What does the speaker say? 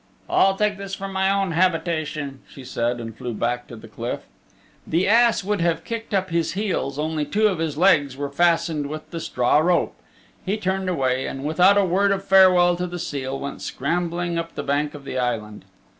"I'll take this for my own habitation," she said, and flew back to the cliff. The ass would have kicked up his heels only two of his legs were fastened with the straw rope. He turned away, and without a word of farewell to the seal went scrambling up the bank of the island.